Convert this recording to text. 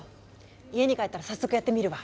家に帰ったら早速やってみるわ！